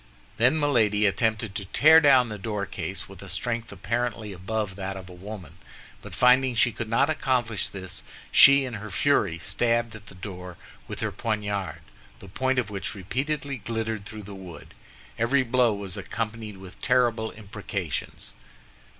Then Milady attempted to tear down the doorcase, with a strength apparently above that of a woman; but finding she could not accomplish this, she in her fury stabbed at the door with her poniard, the point of which repeatedly glittered through the wood. Every blow was accompanied with terrible imprecations.